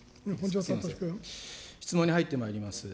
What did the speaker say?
質問に入ってまいります。